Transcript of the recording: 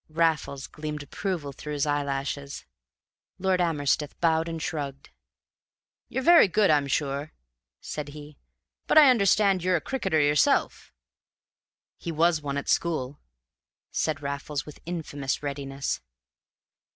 Raffles gleamed approval through his eyelashes. Lord Amersteth bowed and shrugged. "You're very good, I'm sure," said he. "But I understand you're a cricketer yourself?" "He was one at school," said Raffles, with infamous readiness.